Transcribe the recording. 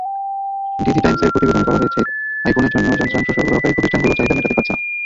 ডিজিটাইমসের প্রতিবেদনে বলা হয়েছে, আইফোনের জন্য যন্ত্রাংশ সরবরাহকারী প্রতিষ্ঠানগুলো চাহিদা মেটাতে পারছে না।